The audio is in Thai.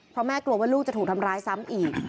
เพราะแม่กลัวว่าลูกจะถูกทำร้ายซ้ำอีก